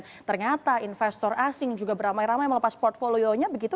dan ternyata investor asing juga beramai ramai melepas portfolio nya begitu